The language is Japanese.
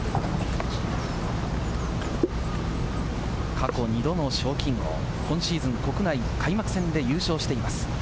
過去２度の賞金王、今シーズン国内開幕戦で優勝しています。